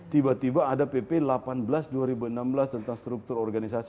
tiba tiba ada pp delapan belas dua ribu enam belas tentang struktur organisasi